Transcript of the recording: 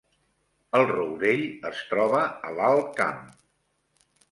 El Rourell es troba a l’Alt Camp